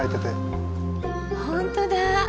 本当だ。